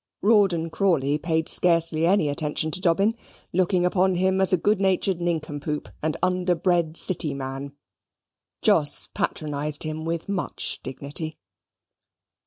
Rawdon Crawley paid scarcely any attention to Dobbin, looking upon him as a good natured nincompoop and under bred City man. Jos patronised him with much dignity.